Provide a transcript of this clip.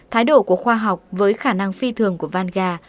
thái độ của khoa học với khả năng phi thường của vanga